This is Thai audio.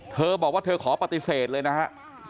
เธอบอกว่าเธอขอปฏิเสธเลยนะฮะ